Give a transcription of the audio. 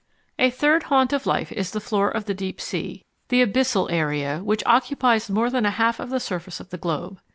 A third haunt of life is the floor of the Deep Sea, the abyssal area, which occupies more than a half of the surface of the globe.